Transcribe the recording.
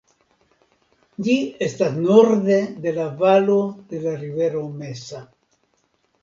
Ĝi estas norde de la valo de la rivero Mesa.